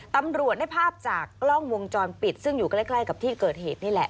ตำรวจได้ภาพจากกล้องวงจรปิดซึ่งอยู่ใกล้กับที่เกิดเหตุนี่แหละ